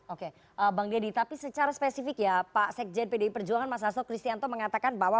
oke bang deddy tapi secara spesifik ya pak sekjen pdi perjuangan mas hasto kristianto mengatakan bahwa